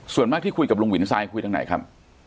ส่วนมากที่คุยกับลุงวินทรายคุยทางไหนครับ